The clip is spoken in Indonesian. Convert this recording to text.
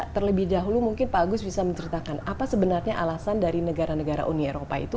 terlebih dahulu mungkin pak agus bisa menceritakan apa sebenarnya alasan dari negara negara uni eropa itu